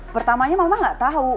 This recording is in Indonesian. pertamanya mama gak tau